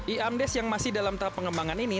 eamdes yang masih dalam tahap pengembangan ini